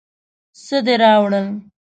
څه دې راوړل.